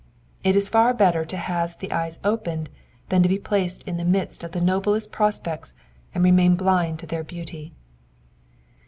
It IS far better to have the eyes opened than to be placed in the midst of the noblest prospects and remain blind to their beauty.